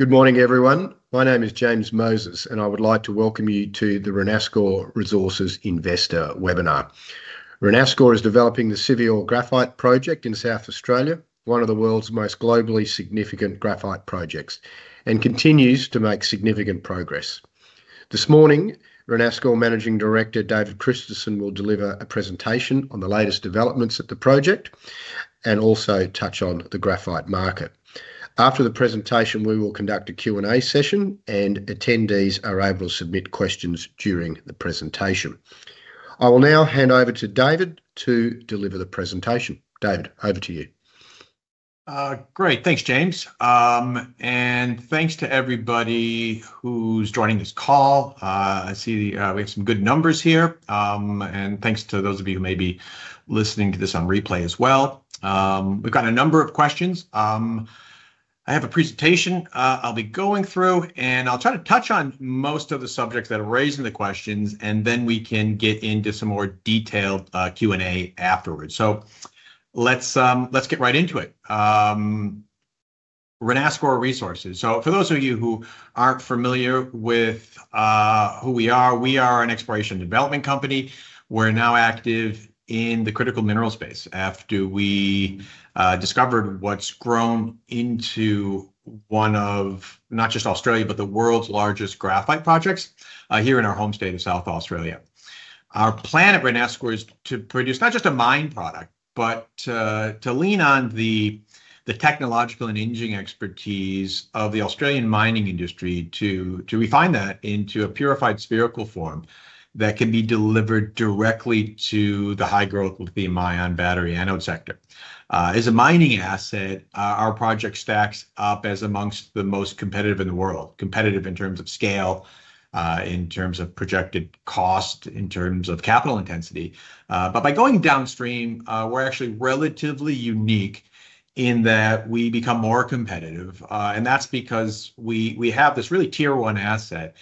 Good morning, everyone. My name is James Moses, and I would like to welcome you to the Renascor Resources Investor Webinar. Renascor is developing the Siviour Graphite Project in South Australia, one of the world's most globally significant graphite projects, and continues to make significant progress. This morning, Renascor Managing Director David Christensen will deliver a presentation on the latest developments at the project and also touch on the graphite market. After the presentation, we will conduct a Q&A session, and attendees are able to submit questions during the presentation. I will now hand over to David to deliver the presentation. David, over to you. Great. Thanks, James. And thanks to everybody who's joining this call. I see we have some good numbers here. Thanks to those of you who may be listening to this on replay as well. We've got a number of questions. I have a presentation I'll be going through, and I'll try to touch on most of the subjects that are raised in the questions, and then we can get into some more detailed Q&A afterwards. Let's get right into it. Renascor Resources. For those of you who aren't familiar with who we are, we are an exploration development company. We're now active in the critical mineral space after we discovered what's grown into one of not just Australia, but the world's largest graphite projects here in our home state of South Australia. Our plan at Renascor is to produce not just a mine product, but to lean on the technological and engineering expertise of the Australian mining industry to refine that into a purified spherical form that can be delivered directly to the high-growth lithium-ion battery anode sector. As a mining asset, our project stacks up as amongst the most competitive in the world, competitive in terms of scale, in terms of projected cost, in terms of capital intensity. By going downstream, we're actually relatively unique in that we become more competitive. That is because we have this really tier-one asset,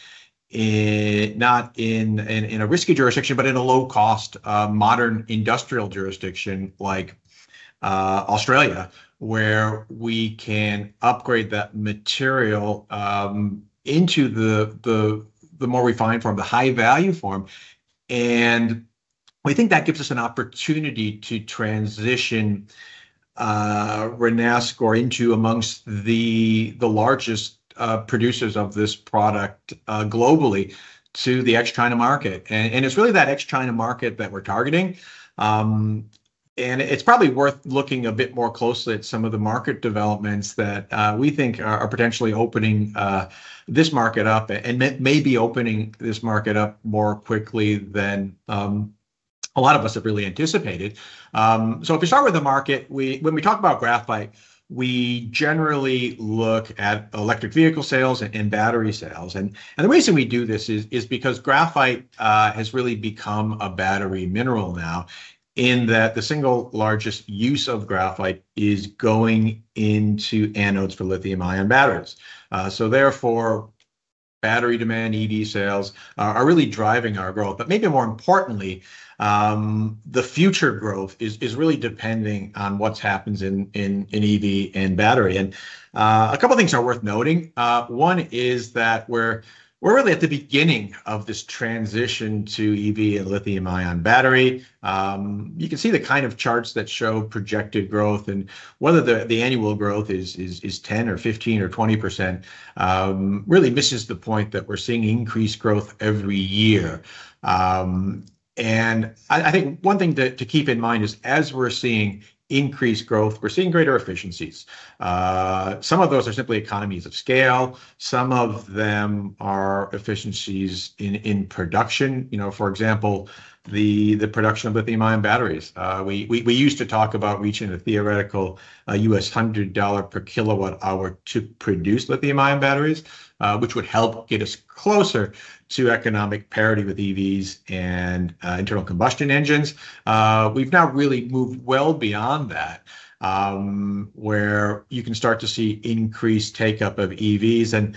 not in a risky jurisdiction, but in a low-cost, modern industrial jurisdiction like Australia, where we can upgrade that material into the more refined form, the high-value form. We think that gives us an opportunity to transition Renascor into amongst the largest producers of this product globally to the ex-China market. It is really that ex-China market that we are targeting. It is probably worth looking a bit more closely at some of the market developments that we think are potentially opening this market up and may be opening this market up more quickly than a lot of us have really anticipated. If we start with the market, when we talk about graphite, we generally look at electric vehicle sales and battery sales. The reason we do this is because graphite has really become a battery mineral now in that the single largest use of graphite is going into anodes for lithium-ion batteries. Therefore, battery demand, EV sales are really driving our growth. Maybe more importantly, the future growth is really depending on what happens in EV and battery. A couple of things are worth noting. One is that we're really at the beginning of this transition to EV and lithium-ion battery. You can see the kind of charts that show projected growth, and whether the annual growth is 10% or 15% or 20% really misses the point that we're seeing increased growth every year. I think one thing to keep in mind is, as we're seeing increased growth, we're seeing greater efficiencies. Some of those are simply economies of scale. Some of them are efficiencies in production. For example, the production of lithium-ion batteries. We used to talk about reaching a theoretical $100 per kilowatt-hour to produce lithium-ion batteries, which would help get us closer to economic parity with EVs and internal combustion engines. We've now really moved well beyond that, where you can start to see increased take-up of EVs.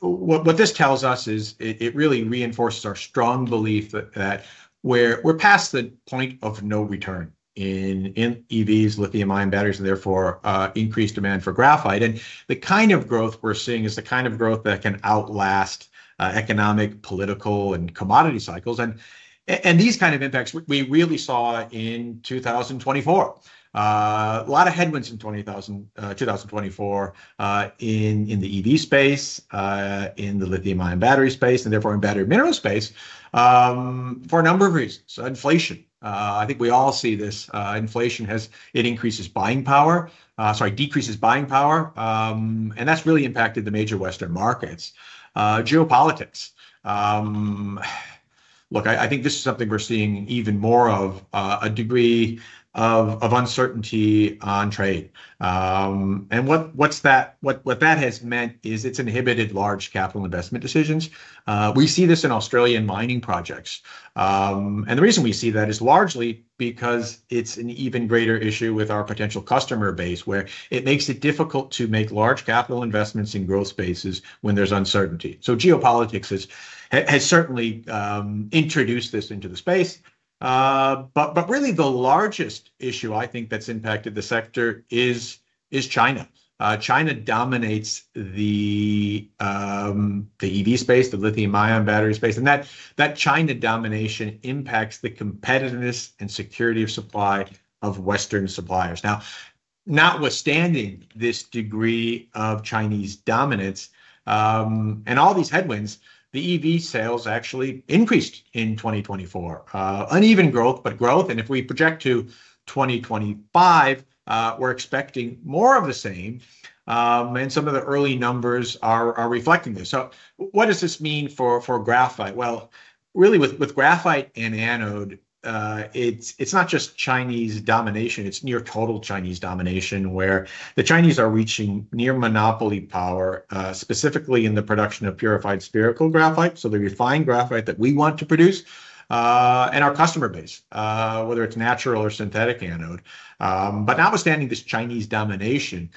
What this tells us is it really reinforces our strong belief that we're past the point of no return in EVs, lithium-ion batteries, and therefore increased demand for graphite. The kind of growth we're seeing is the kind of growth that can outlast economic, political, and commodity cycles. These kind of impacts we really saw in 2024. A lot of headwinds in 2024 in the EV space, in the lithium-ion battery space, and therefore in battery mineral space for a number of reasons. Inflation. I think we all see this. Inflation increases buying power—sorry, decreases buying power. That's really impacted the major Western markets. Geopolitics. Look, I think this is something we're seeing even more of: a degree of uncertainty on trade. What that has meant is it's inhibited large capital investment decisions. We see this in Australian mining projects. The reason we see that is largely because it's an even greater issue with our potential customer base, where it makes it difficult to make large capital investments in growth spaces when there's uncertainty. Geopolitics has certainly introduced this into the space. Really, the largest issue I think that's impacted the sector is China. China dominates the EV space, the lithium-ion battery space. That China domination impacts the competitiveness and security of supply of Western suppliers. Now, notwithstanding this degree of Chinese dominance and all these headwinds, the EV sales actually increased in 2024. Uneven growth, but growth. If we project to 2025, we're expecting more of the same. Some of the early numbers are reflecting this. What does this mean for graphite? Really, with graphite and anode, it's not just Chinese domination. It's near total Chinese domination, where the Chinese are reaching near monopoly power, specifically in the production of purified spherical graphite, so the refined graphite that we want to produce, and our customer base, whether it's natural or synthetic anode. Notwithstanding this Chinese domination,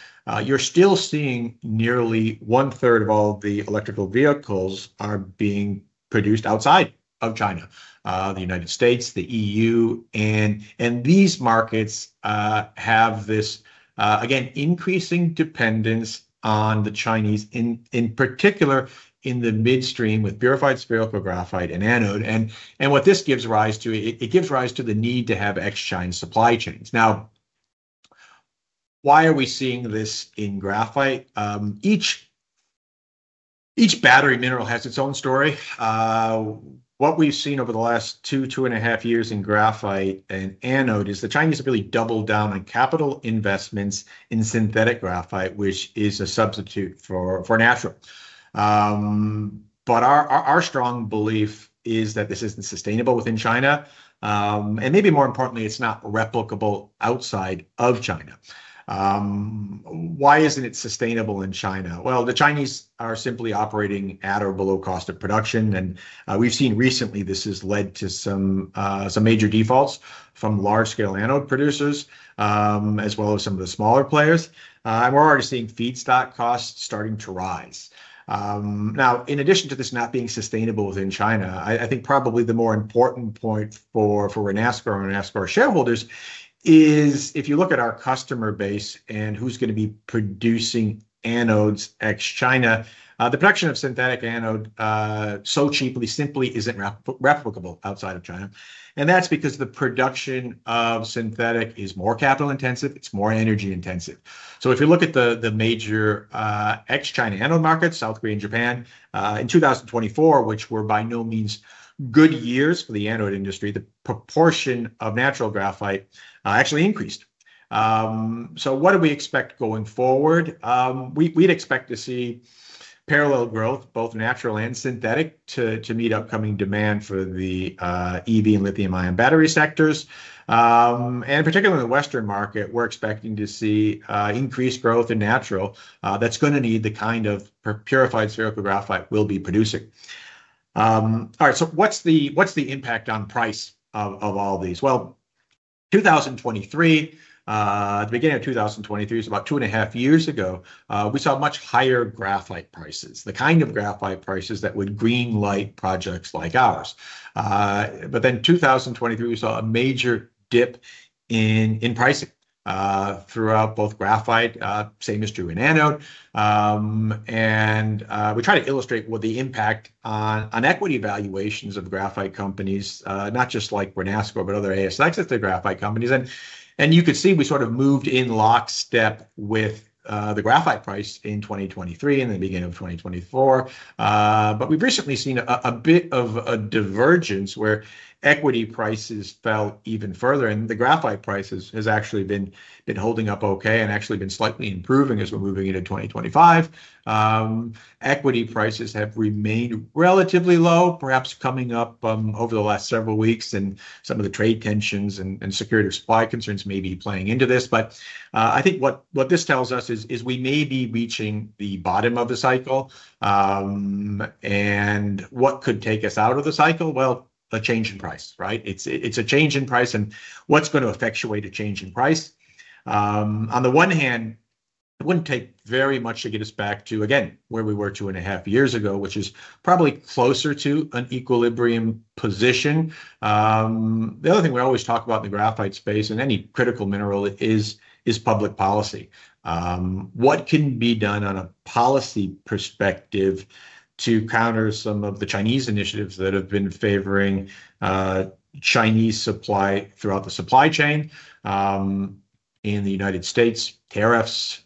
you're still seeing nearly one-third of all the electric vehicles being produced outside of China: the United States, the European Union. These markets have this, again, increasing dependence on the Chinese, in particular in the midstream with purified spherical graphite and anode. What this gives rise to, it gives rise to the need to have ex-China supply chains. Now, why are we seeing this in graphite? Each battery mineral has its own story. What we've seen over the last two, two and a half years in graphite and anode is the Chinese have really doubled down on capital investments in synthetic graphite, which is a substitute for natural. Our strong belief is that this isn't sustainable within China. Maybe more importantly, it's not replicable outside of China. Why isn't it sustainable in China? The Chinese are simply operating at or below cost of production. We've seen recently this has led to some major defaults from large-scale anode producers, as well as some of the smaller players. We're already seeing feedstock costs starting to rise. Now, in addition to this not being sustainable within China, I think probably the more important point for Renascor and Renascor shareholders is, if you look at our customer base and who's going to be producing anodes ex-China, the production of synthetic anode so cheaply simply isn't replicable outside of China. That's because the production of synthetic is more capital-intensive. It's more energy-intensive. If you look at the major ex-China anode markets, South Korea and Japan, in 2024, which were by no means good years for the anode industry, the proportion of natural graphite actually increased. What do we expect going forward? We'd expect to see parallel growth, both natural and synthetic, to meet upcoming demand for the EV and lithium-ion battery sectors. Particularly in the Western market, we're expecting to see increased growth in natural that's going to need the kind of purified spherical graphite we'll be producing. All right. What's the impact on price of all these? In 2023, the beginning of 2023, about two and a half years ago, we saw much higher graphite prices, the kind of graphite prices that would greenlight projects like ours. In 2023, we saw a major dip in pricing throughout both graphite, same as true in anode. We try to illustrate what the impact on equity valuations of graphite companies, not just like Renascor, but other ASX graphite companies. You could see we sort of moved in lockstep with the graphite price in 2023 and the beginning of 2024. We've recently seen a bit of a divergence where equity prices fell even further. The graphite price has actually been holding up okay and actually been slightly improving as we are moving into 2025. Equity prices have remained relatively low, perhaps coming up over the last several weeks. Some of the trade tensions and security supply concerns may be playing into this. I think what this tells us is we may be reaching the bottom of the cycle. What could take us out of the cycle? A change in price, right? It is a change in price. What is going to effectuate a change in price? On the one hand, it would not take very much to get us back to, again, where we were two and a half years ago, which is probably closer to an equilibrium position. The other thing we always talk about in the graphite space and any critical mineral is public policy. What can be done on a policy perspective to counter some of the Chinese initiatives that have been favoring Chinese supply throughout the supply chain in the United States? Tariffs.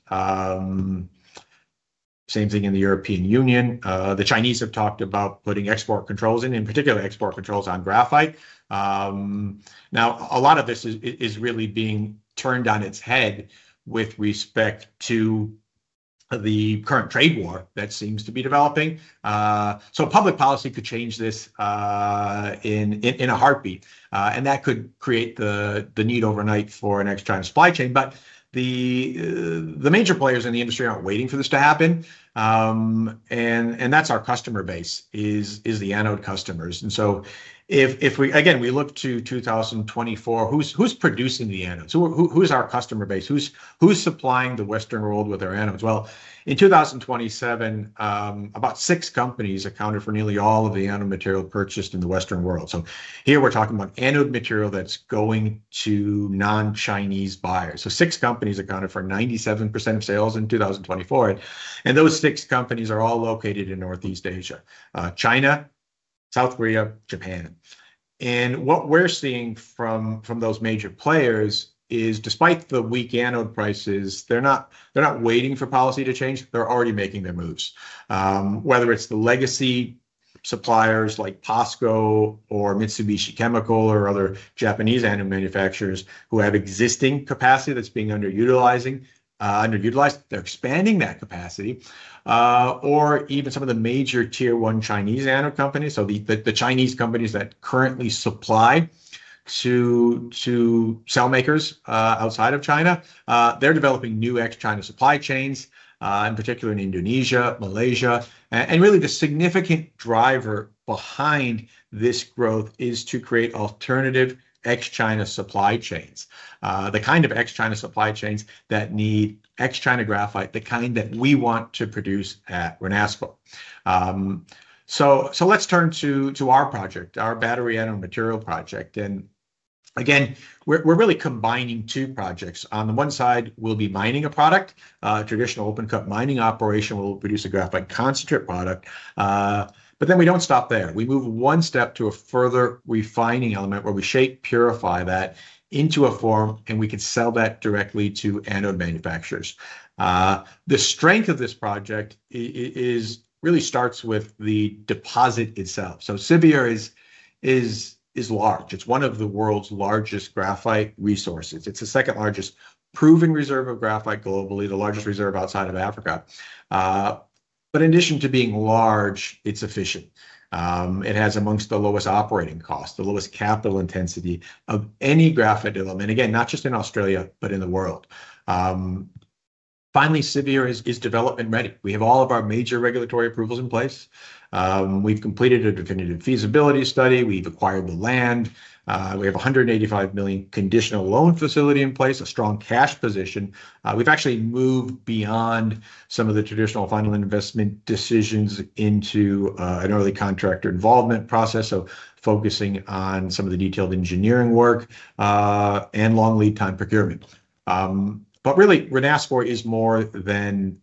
Same thing in the European Union. The Chinese have talked about putting export controls in, in particular export controls on graphite. Now, a lot of this is really being turned on its head with respect to the current trade war that seems to be developing. Public policy could change this in a heartbeat. That could create the need overnight for an ex-China supply chain. The major players in the industry aren't waiting for this to happen. That's our customer base, is the anode customers. If we, again, we look to 2024, who's producing the anodes? Who's our customer base? Who's supplying the Western world with their anodes? In 2027, about six companies accounted for nearly all of the anode material purchased in the Western world. Here we're talking about anode material that's going to non-Chinese buyers. Six companies accounted for 97% of sales in 2024. Those six companies are all located in Northeast Asia: China, South Korea, Japan. What we're seeing from those major players is, despite the weak anode prices, they're not waiting for policy to change. They're already making their moves, whether it's the legacy suppliers like Posco or Mitsubishi Chemical or other Japanese anode manufacturers who have existing capacity that's being underutilized. They're expanding that capacity. Even some of the major tier-one Chinese anode companies, the Chinese companies that currently supply to cell makers outside of China, they're developing new ex-China supply chains, in particular in Indonesia, Malaysia. Really, the significant driver behind this growth is to create alternative ex-China supply chains, the kind of ex-China supply chains that need ex-China graphite, the kind that we want to produce at Renascor. Let's turn to our project, our battery anode material project. Again, we're really combining two projects. On the one side, we'll be mining a product, a traditional open-cut mining operation. We'll produce a graphite concentrate product. We don't stop there. We move one step to a further refining element where we shape, purify that into a form, and we can sell that directly to anode manufacturers. The strength of this project really starts with the deposit itself. Siviour is large. It's one of the world's largest graphite resources. It's the second largest proven reserve of graphite globally, the largest reserve outside of Africa. In addition to being large, it's efficient. It has amongst the lowest operating costs, the lowest capital intensity of any graphite development, again, not just in Australia, but in the world. Finally, Siviour is development ready. We have all of our major regulatory approvals in place. We've completed a definitive feasibility study. We've acquired the land. We have a 185 million conditional loan facility in place, a strong cash position. We've actually moved beyond some of the traditional final investment decisions into an early contractor involvement process, focusing on some of the detailed engineering work and long lead-time procurement. Renascor is more than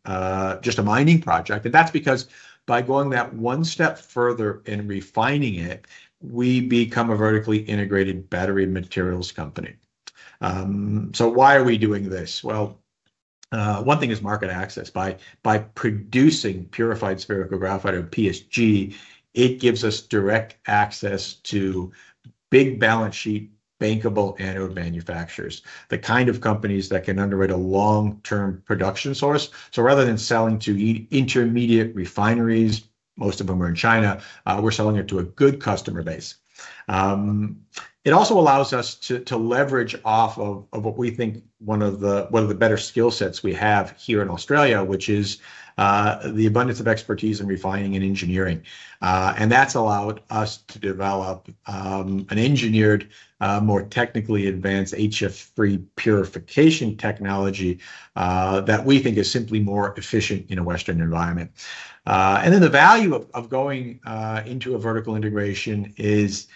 just a mining project. That is because by going that one step further and refining it, we become a vertically integrated battery materials company. Why are we doing this? One thing is market access. By producing purified spherical graphite or PSG, it gives us direct access to big balance sheet bankable anode manufacturers, the kind of companies that can underwrite a long-term production source. Rather than selling to intermediate refineries, most of them are in China, we're selling it to a good customer base. It also allows us to leverage off of what we think one of the better skill sets we have here in Australia, which is the abundance of expertise in refining and engineering. That has allowed us to develop an engineered, more technically advanced HF-free purification technology that we think is simply more efficient in a Western environment. The value of going into a vertical integration is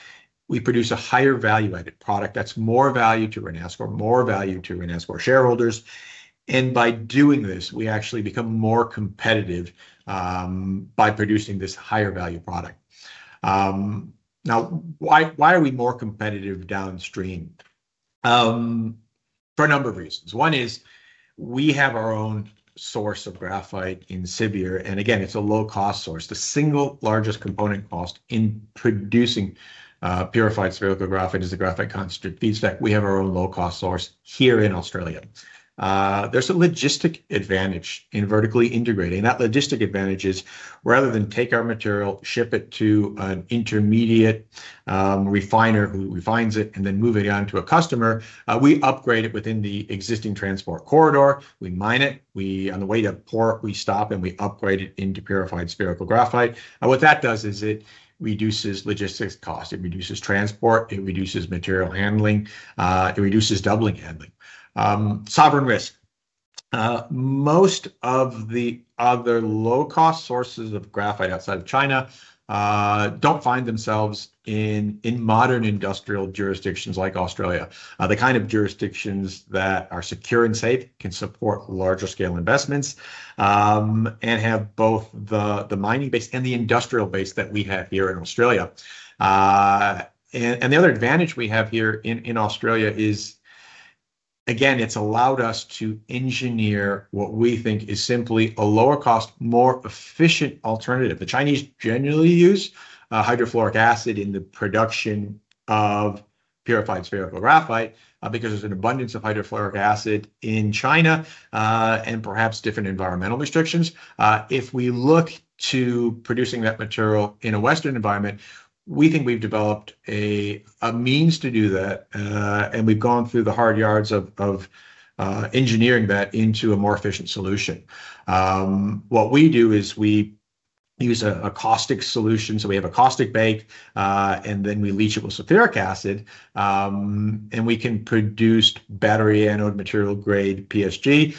we produce a higher value-added product that is more value to Renascor, more value to Renascor shareholders. By doing this, we actually become more competitive by producing this higher value product. Now, why are we more competitive downstream? For a number of reasons. One is we have our own source of graphite in Siviour. And again, it's a low-cost source. The single largest component cost in producing purified spherical graphite is the graphite concentrate feedstock. We have our own low-cost source here in Australia. There's a logistic advantage in vertically integrating. That logistic advantage is, rather than take our material, ship it to an intermediate refiner who refines it, and then move it on to a customer, we upgrade it within the existing transport corridor. We mine it. On the way to port, we stop, and we upgrade it into purified spherical graphite. What that does is it reduces logistics costs. It reduces transport. It reduces material handling. It reduces double handling. Sovereign risk. Most of the other low-cost sources of graphite outside of China do not find themselves in modern industrial jurisdictions like Australia, the kind of jurisdictions that are secure and safe, can support larger-scale investments, and have both the mining base and the industrial base that we have here in Australia. The other advantage we have here in Australia is, again, it has allowed us to engineer what we think is simply a lower-cost, more efficient alternative. The Chinese generally use hydrofluoric acid in the production of purified spherical graphite because there is an abundance of hydrofluoric acid in China and perhaps different environmental restrictions. If we look to producing that material in a Western environment, we think we have developed a means to do that. We have gone through the hard yards of engineering that into a more efficient solution. What we do is we use a caustic solution. We have a caustic bake, and then we leach it with sulfuric acid. We can produce battery anode material grade PSG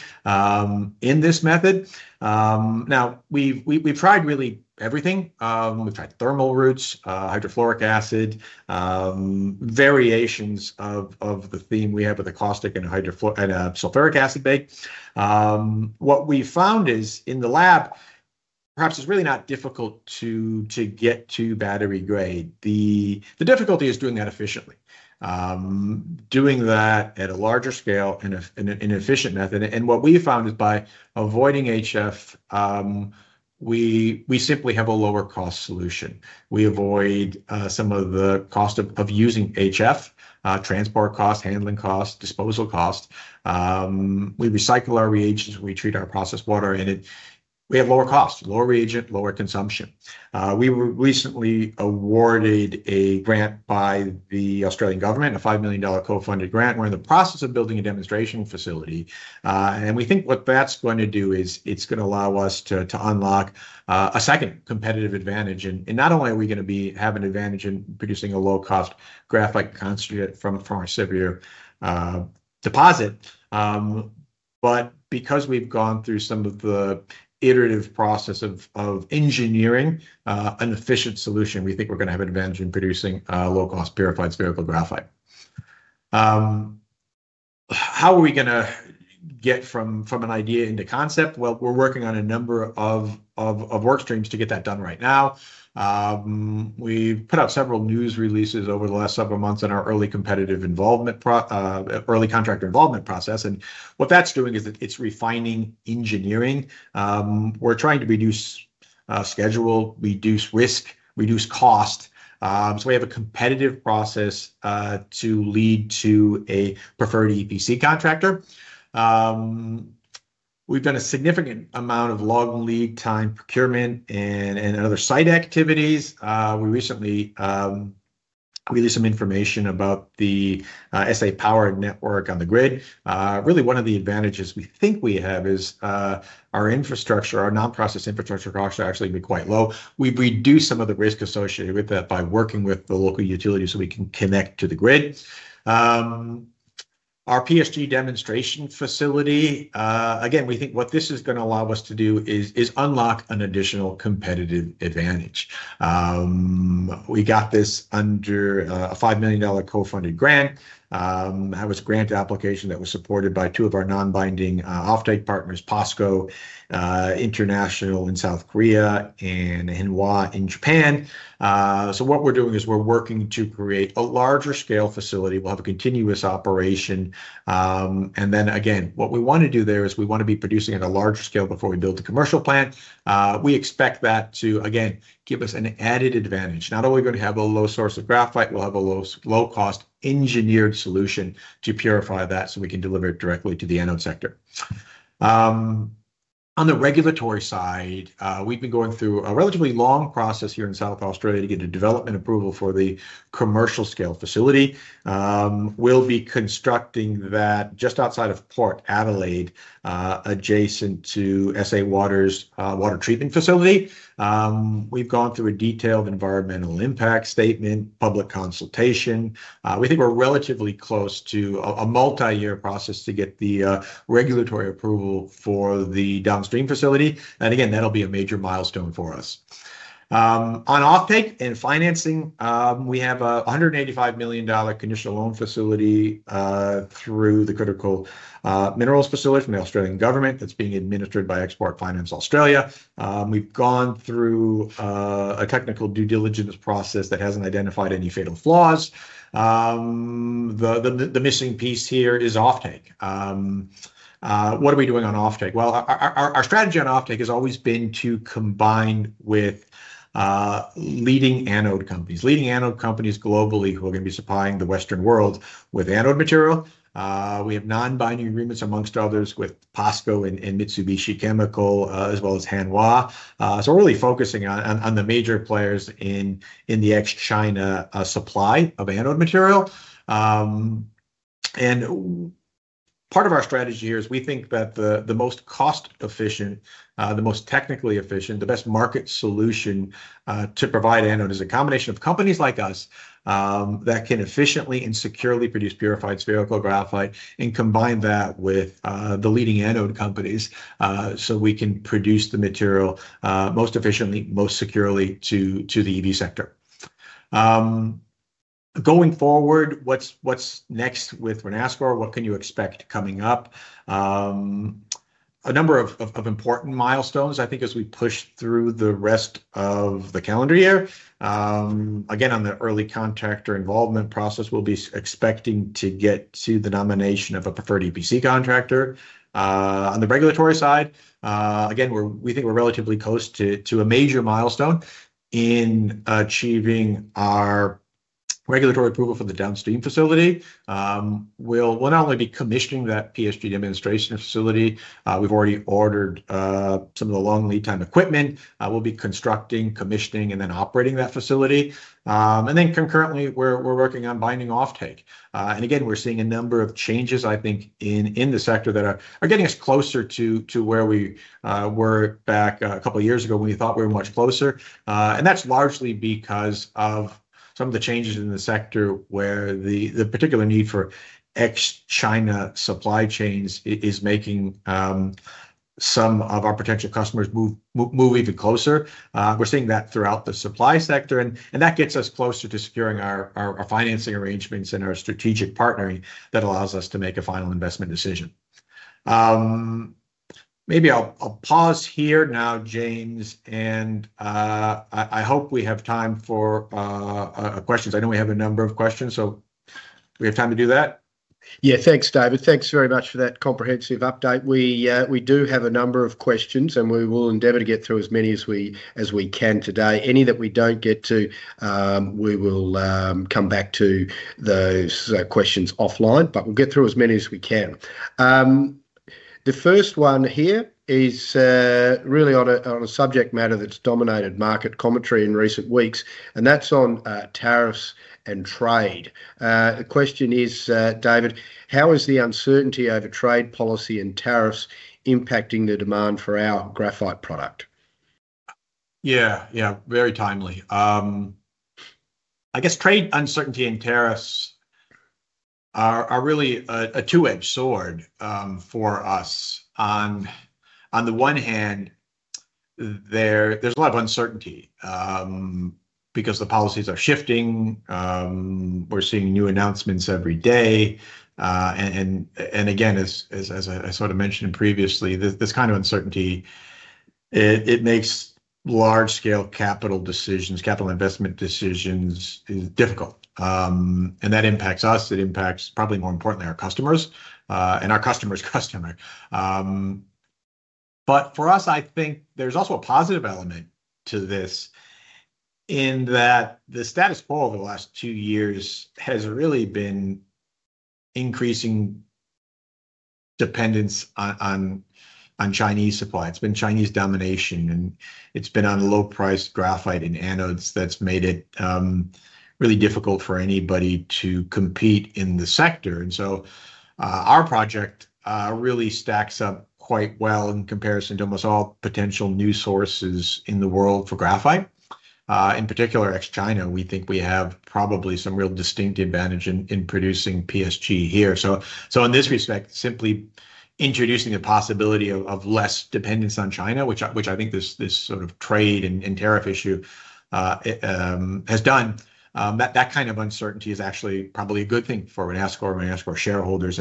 in this method. Now, we've tried really everything. We've tried thermal routes, hydrofluoric acid, variations of the theme we have with the caustic and sulfuric acid bake. What we found is, in the lab, perhaps it's really not difficult to get to battery grade. The difficulty is doing that efficiently, doing that at a larger scale in an efficient method. What we found is, by avoiding HF, we simply have a lower-cost solution. We avoid some of the cost of using HF, transport cost, handling cost, disposal cost. We recycle our reagents. We treat our processed water in it. We have lower costs, lower reagent, lower consumption. We were recently awarded a grant by the Australian government, an 5 million dollar co-funded grant. We're in the process of building a demonstration facility. We think what that's going to do is it's going to allow us to unlock a second competitive advantage. Not only are we going to have an advantage in producing a low-cost graphite concentrate from our Siviour deposit, but because we've gone through some of the iterative process of engineering an efficient solution, we think we're going to have an advantage in producing low-cost purified spherical graphite. How are we going to get from an idea into concept? We are working on a number of workstreams to get that done right now. We put out several news releases over the last several months on our early contractor involvement process. What that's doing is it's refining engineering. We're trying to reduce schedule, reduce risk, reduce cost. We have a competitive process to lead to a preferred EPC contractor. We've done a significant amount of long lead-time procurement and other site activities. We recently released some information about the SA Power Networks on the grid. Really, one of the advantages we think we have is our infrastructure. Our non-process infrastructure costs are actually going to be quite low. We reduce some of the risk associated with that by working with the local utility so we can connect to the grid. Our PSG demonstration facility, again, we think what this is going to allow us to do is unlock an additional competitive advantage. We got this under an 5 million dollar co-funded grant. That was a grant application that was supported by two of our non-binding offtake partners, Posco International in South Korea and Hanwha in Japan. What we're doing is we're working to create a larger-scale facility. We'll have a continuous operation. What we want to do there is we want to be producing at a larger scale before we build the commercial plant. We expect that to, again, give us an added advantage. Not only are we going to have a low source of graphite, we'll have a low-cost engineered solution to purify that so we can deliver it directly to the anode sector. On the regulatory side, we've been going through a relatively long process here in South Australia to get a development approval for the commercial-scale facility. We'll be constructing that just outside of Port Adelaide, adjacent to SA Water's water treatment facility. We've gone through a detailed environmental impact statement, public consultation. We think we're relatively close to a multi-year process to get the regulatory approval for the downstream facility. That will be a major milestone for us. On offtake and financing, we have a 185 million dollar conditional loan facility through the Critical Minerals Facility from the Australian government that's being administered by Export Finance Australia. We've gone through a technical due diligence process that hasn't identified any fatal flaws. The missing piece here is offtake. What are we doing on offtake? Our strategy on offtake has always been to combine with leading anode companies, leading anode companies globally who are going to be supplying the Western world with anode material. We have non-binding agreements, amongst others, with Posco International and Mitsubishi Chemical, as well as Hanwha. We're really focusing on the major players in the ex-China supply of anode material. Part of our strategy here is we think that the most cost-efficient, the most technically efficient, the best market solution to provide anode is a combination of companies like us that can efficiently and securely produce purified spherical graphite and combine that with the leading anode companies so we can produce the material most efficiently, most securely to the EV sector. Going forward, what's next with Renascor? What can you expect coming up? A number of important milestones, I think, as we push through the rest of the calendar year. Again, on the early contractor involvement process, we'll be expecting to get to the nomination of a preferred EPC contractor. On the regulatory side, again, we think we're relatively close to a major milestone in achieving our regulatory approval for the downstream facility. We'll not only be commissioning that PSG demonstration facility. We've already ordered some of the long lead-time equipment. We'll be constructing, commissioning, and then operating that facility. Concurrently, we're working on binding offtake. Again, we're seeing a number of changes, I think, in the sector that are getting us closer to where we were back a couple of years ago when we thought we were much closer. That's largely because of some of the changes in the sector where the particular need for ex-China supply chains is making some of our potential customers move even closer. We're seeing that throughout the supply sector. That gets us closer to securing our financing arrangements and our strategic partnering that allows us to make a final investment decision. Maybe I'll pause here now, James. I hope we have time for questions. I know we have a number of questions, so we have time to do that. Yeah. Thanks, David. Thanks very much for that comprehensive update. We do have a number of questions, and we will endeavor to get through as many as we can today. Any that we do not get to, we will come back to those questions offline. We will get through as many as we can. The first one here is really on a subject matter that has dominated market commentary in recent weeks, and that is on tariffs and trade. The question is, David, how is the uncertainty over trade policy and tariffs impacting the demand for our graphite product? Yeah. Yeah. Very timely. I guess trade uncertainty and tariffs are really a two-edged sword for us. On the one hand, there is a lot of uncertainty because the policies are shifting. We are seeing new announcements every day. As I sort of mentioned previously, this kind of uncertainty makes large-scale capital investment decisions difficult. That impacts us. It impacts, probably more importantly, our customers and our customer's customer. For us, I think there is also a positive element to this in that the status quo over the last two years has really been increasing dependence on Chinese supply. It has been Chinese domination, and it has been on low-priced graphite and anodes that has made it really difficult for anybody to compete in the sector. Our project really stacks up quite well in comparison to almost all potential new sources in the world for graphite. In particular, ex-China, we think we have probably some real distinct advantage in producing PSG here. In this respect, simply introducing the possibility of less dependence on China, which I think this sort of trade and tariff issue has done, that kind of uncertainty is actually probably a good thing for Renascor and Renascor shareholders.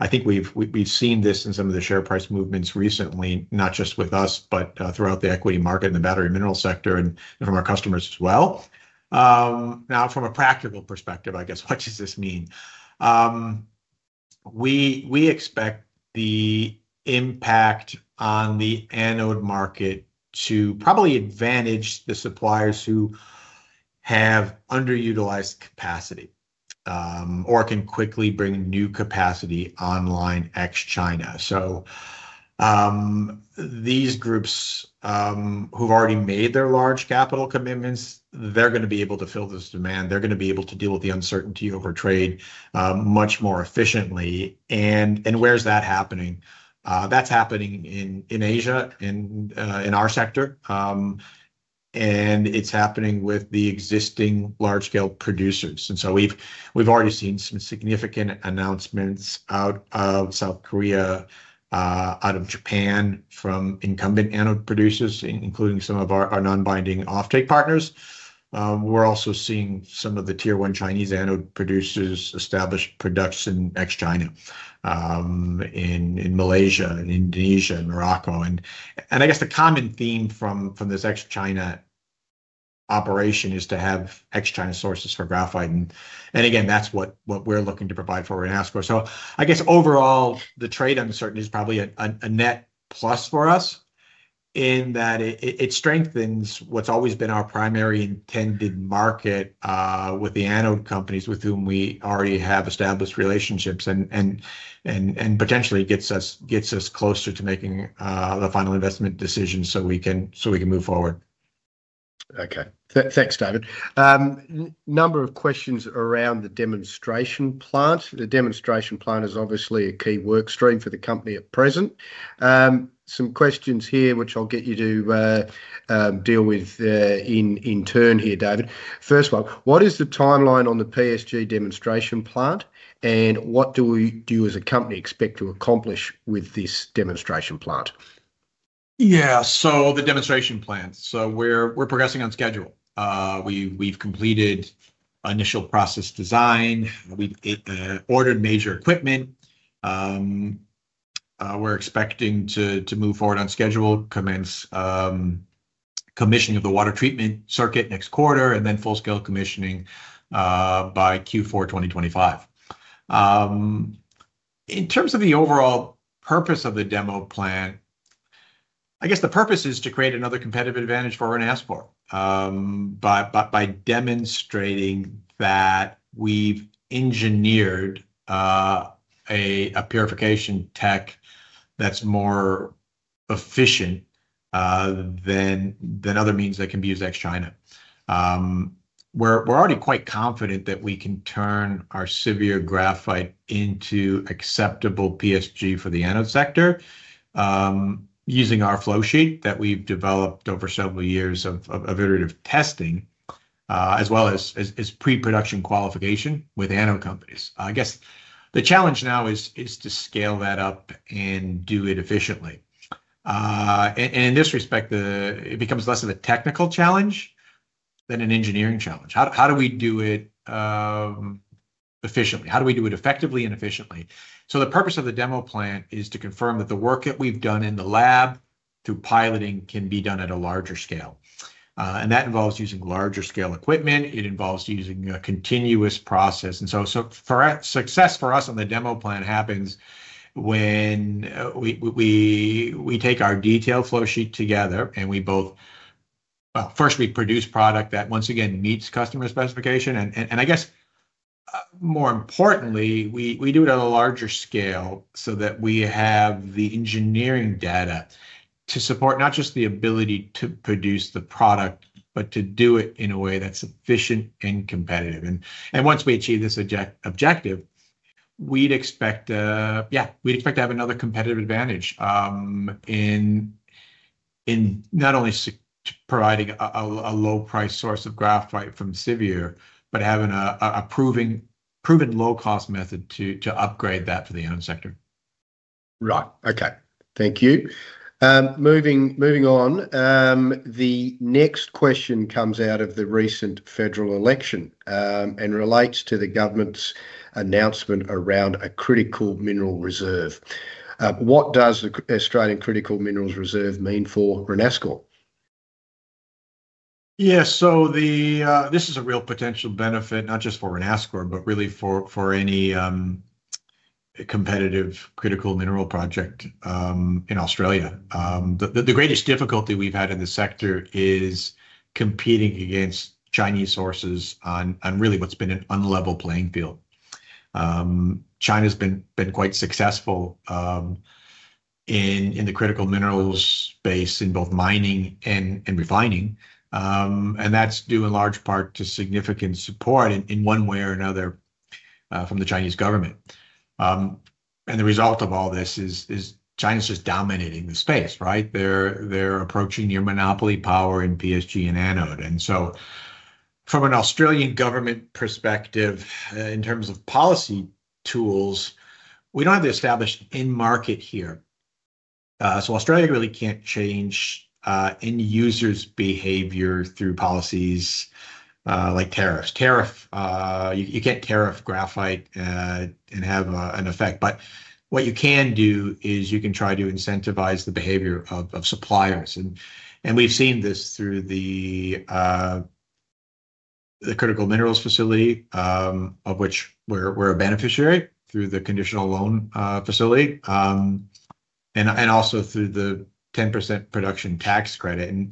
I think we've seen this in some of the share price movements recently, not just with us, but throughout the equity market and the battery mineral sector and from our customers as well. Now, from a practical perspective, I guess, what does this mean? We expect the impact on the anode market to probably advantage the suppliers who have underutilized capacity or can quickly bring new capacity online ex-China. These groups who've already made their large capital commitments are going to be able to fill this demand. They're going to be able to deal with the uncertainty over trade much more efficiently. Where's that happening? That's happening in Asia and in our sector. It's happening with the existing large-scale producers. We've already seen some significant announcements out of South Korea, out of Japan, from incumbent anode producers, including some of our non-binding offtake partners. We're also seeing some of the tier-one Chinese anode producers establish production ex-China in Malaysia, Indonesia, and Morocco. I guess the common theme from this ex-China operation is to have ex-China sources for graphite. Again, that's what we're looking to provide for Renascor. I guess overall, the trade uncertainty is probably a net plus for us in that it strengthens what's always been our primary intended market with the anode companies with whom we already have established relationships and potentially gets us closer to making the final investment decision so we can move forward. Okay. Thanks, David. A number of questions around the demonstration plant. The demonstration plant is obviously a key workstream for the company at present. Some questions here, which I'll get you to deal with in turn here, David. First of all, what is the timeline on the PSG demonstration plant, and what do you as a company expect to accomplish with this demonstration plant? Yeah. So the demonstration plant. We're progressing on schedule. We've completed initial process design. We've ordered major equipment. We're expecting to move forward on schedule, commissioning of the water treatment circuit next quarter, and then full-scale commissioning by Q4 2025. In terms of the overall purpose of the demo plant, I guess the purpose is to create another competitive advantage for Renascor by demonstrating that we've engineered a purification tech that's more efficient than other means that can be used ex-China. We're already quite confident that we can turn our Siviour graphite into acceptable PSG for the anode sector using our flow sheet that we've developed over several years of iterative testing, as well as pre-production qualification with anode companies. I guess the challenge now is to scale that up and do it efficiently. In this respect, it becomes less of a technical challenge than an engineering challenge. How do we do it efficiently? How do we do it effectively and efficiently? The purpose of the demo plant is to confirm that the work that we've done in the lab through piloting can be done at a larger scale. That involves using larger-scale equipment. It involves using a continuous process. Success for us on the demo plant happens when we take our detailed flow sheet together and we both, well, first, we produce product that, once again, meets customer specification. I guess, more importantly, we do it at a larger scale so that we have the engineering data to support not just the ability to produce the product, but to do it in a way that's efficient and competitive. Once we achieve this objective, we'd expect, yeah, we'd expect to have another competitive advantage in not only providing a low-priced source of graphite from Siviour, but having a proven low-cost method to upgrade that for the anode sector. Right. Okay. Thank you. Moving on, the next question comes out of the recent federal election and relates to the government's announcement around a critical mineral reserve. What does the Australian Critical Minerals Reserve mean for Renascor? Yeah. This is a real potential benefit, not just for Renascor, but really for any competitive critical mineral project in Australia. The greatest difficulty we've had in the sector is competing against Chinese sources on really what's been an unlevel playing field. China's been quite successful in the critical minerals space in both mining and refining. That's due in large part to significant support in one way or another from the Chinese government. The result of all this is China's just dominating the space, right? They're approaching monopoly power in PSG and anode. From an Australian government perspective, in terms of policy tools, we don't have the established in-market here. Australia really can't change end users' behavior through policies like tariffs. You can't tariff graphite and have an effect. What you can do is you can try to incentivize the behavior of suppliers. We have seen this through the Critical Minerals Facility, of which we are a beneficiary through the conditional loan facility and also through the 10% production tax credit.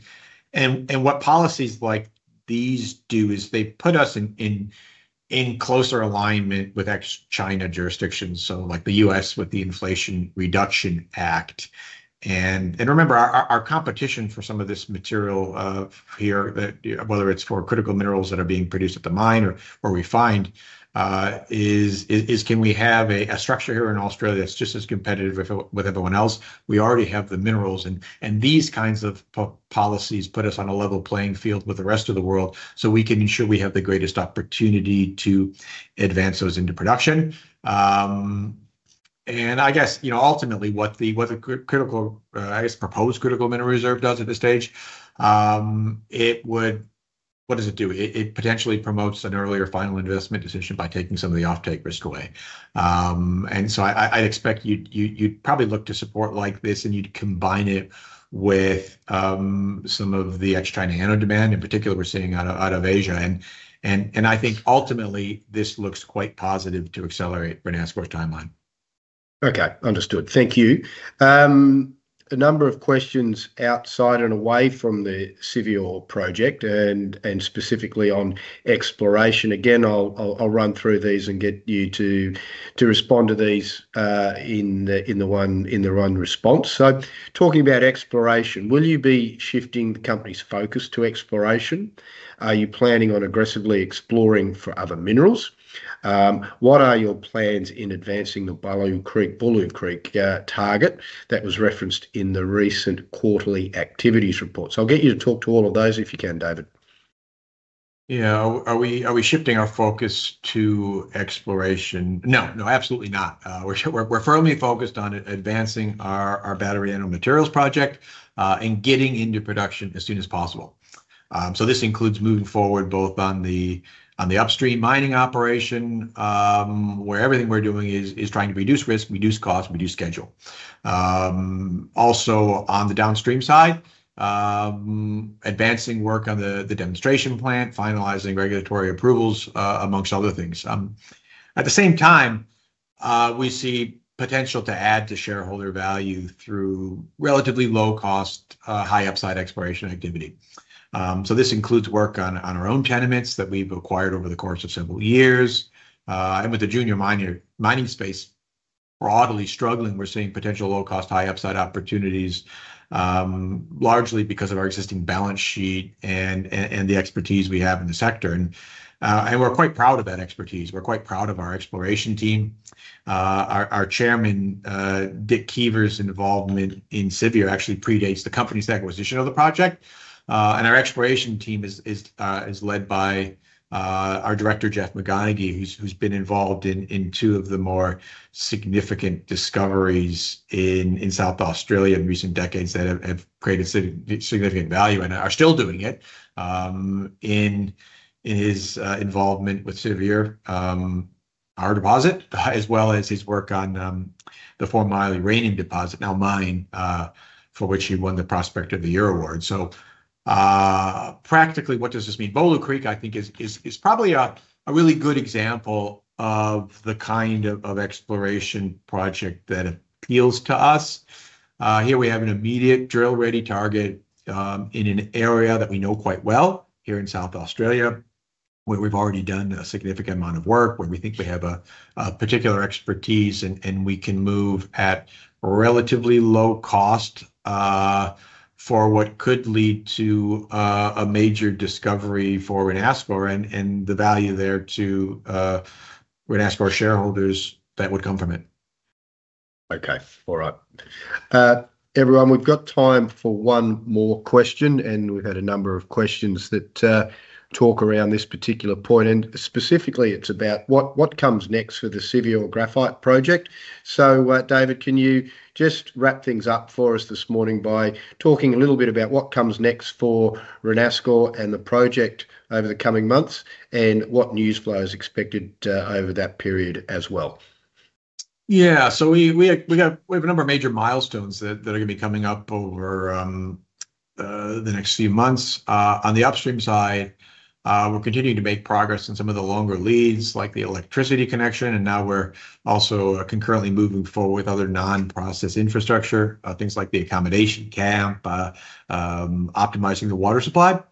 What policies like these do is they put us in closer alignment with ex-China jurisdictions, like the U.S. with the Inflation Reduction Act. Remember, our competition for some of this material here, whether it is for critical minerals that are being produced at the mine or refined, is can we have a structure here in Australia that is just as competitive with everyone else? We already have the minerals. These kinds of policies put us on a level playing field with the rest of the world so we can ensure we have the greatest opportunity to advance those into production. I guess, ultimately, what the critical, I guess, proposed critical mineral reserve does at this stage, it would, what does it do? It potentially promotes an earlier final investment decision by taking some of the offtake risk away. I would expect you would probably look to support like this, and you would combine it with some of the ex-China anode demand, in particular, we are seeing out of Asia. I think, ultimately, this looks quite positive to accelerate Renascor's timeline. Okay. Understood. Thank you. A number of questions outside and away from the Siviour project and specifically on exploration. Again, I will run through these and get you to respond to these in the one response. Talking about exploration, will you be shifting the company's focus to exploration? Are you planning on aggressively exploring for other minerals? What are your plans in advancing the Bulloo Creek target that was referenced in the recent quarterly activities report? So I'll get you to talk to all of those if you can, David. Yeah. Are we shifting our focus to exploration? No, no, absolutely not. We're firmly focused on advancing our Battery Anode Material project and getting into production as soon as possible. This includes moving forward both on the upstream mining operation, where everything we're doing is trying to reduce risk, reduce cost, reduce schedule. Also, on the downstream side, advancing work on the demonstration plant, finalizing regulatory approvals, amongst other things. At the same time, we see potential to add to shareholder value through relatively low-cost, high-upside exploration activity. This includes work on our own tenements that we've acquired over the course of several years. With the junior mining space broadly struggling, we're seeing potential low-cost, high-upside opportunities, largely because of our existing balance sheet and the expertise we have in the sector. We're quite proud of that expertise. We're quite proud of our exploration team. Our Chairman, Dick Keever's involvement in Siviour actually predates the company's acquisition of the project. Our exploration team is led by our Director, Geoff McConachy, who's been involved in two of the more significant discoveries in South Australia in recent decades that have created significant value and are still doing it. In his involvement with Siviour, our deposit, as well as his work on the Four Mile Uranium Deposit, now mined, for which he won the Prospect of the Year award. Practically, what does this mean? Bulloo Creek, I think, is probably a really good example of the kind of exploration project that appeals to us. Here we have an immediate drill-ready target in an area that we know quite well here in South Australia, where we've already done a significant amount of work, where we think we have a particular expertise, and we can move at relatively low cost for what could lead to a major discovery for Renascor and the value there to Renascor shareholders that would come from it. Okay. All right. Everyone, we've got time for one more question, and we've had a number of questions that talk around this particular point. Specifically, it's about what comes next for the Siviour Graphite Project. David, can you just wrap things up for us this morning by talking a little bit about what comes next for Renascor and the project over the coming months and what news flow is expected over that period as well? Yeah. We have a number of major milestones that are going to be coming up over the next few months. On the upstream side, we're continuing to make progress in some of the longer leads like the electricity connection. Now we're also concurrently moving forward with other non-process infrastructure, things like the accommodation camp, optimizing the water supply.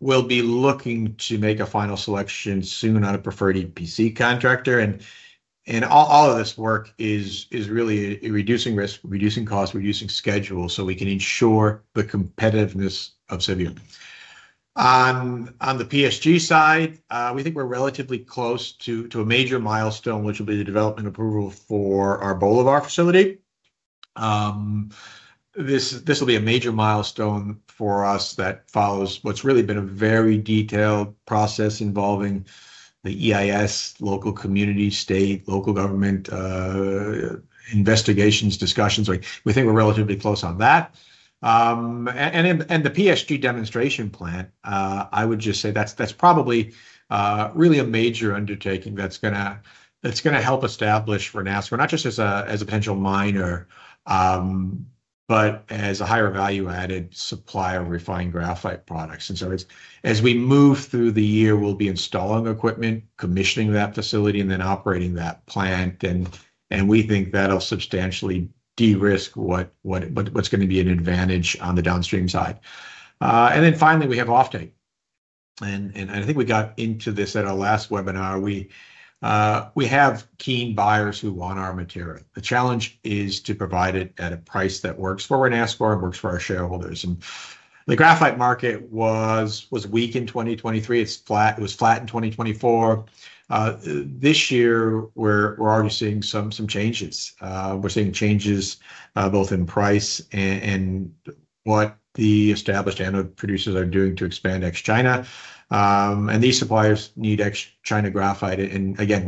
We'll be looking to make a final selection soon on a preferred EPC contractor. All of this work is really reducing risk, reducing cost, reducing schedule so we can ensure the competitiveness of Siviour. On the PSG side, we think we're relatively close to a major milestone, which will be the development approval for our Boulevard facility. This will be a major milestone for us that follows what's really been a very detailed process involving the EIS, local community, state, local government investigations, discussions. We think we're relatively close on that. The PSG demonstration plant, I would just say that's probably really a major undertaking that's going to help establish Renascor, not just as a potential miner, but as a higher value-added supplier of refined graphite products. As we move through the year, we'll be installing equipment, commissioning that facility, and then operating that plant. We think that'll substantially de-risk what's going to be an advantage on the downstream side. Finally, we have offtake. I think we got into this at our last webinar. We have keen buyers who want our material. The challenge is to provide it at a price that works for Renascor and works for our shareholders. The graphite market was weak in 2023. It was flat in 2024. This year, we're already seeing some changes. We're seeing changes both in price and what the established anode producers are doing to expand ex-China. These suppliers need ex-China graphite.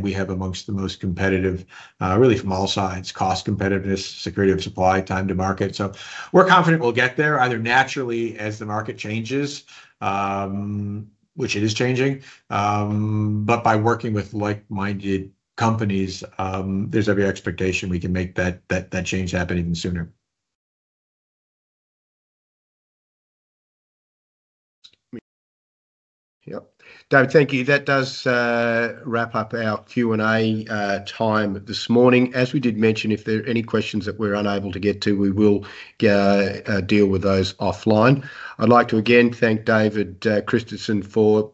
We have amongst the most competitive, really from all sides, cost competitiveness, security of supply, time to market. We're confident we'll get there either naturally as the market changes, which it is changing, but by working with like-minded companies, there's every expectation we can make that change happen even sooner. Yep. David, thank you. That does wrap up our Q&A time this morning. As we did mention, if there are any questions that we're unable to get to, we will deal with those offline. I'd like to again thank David Christensen for the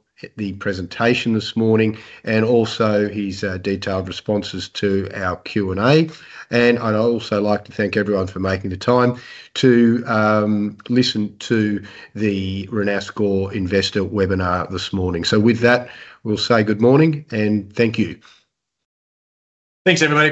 presentation this morning and also his detailed responses to our Q&A. I'd also like to thank everyone for making the time to listen to the Renascor Investor Webinar this morning. With that, we'll say good morning and thank you. Thanks, everybody.